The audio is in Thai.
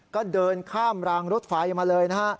ก็เดินข้ามรางรถไฟมาเลยนะฮะ